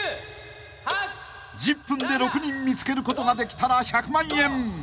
［１０分で６人見つけることができたら１００万円］